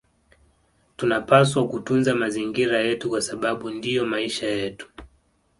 Tunapaswa kutunza mazingira yetu kwa sababu ndiyo maisha yetu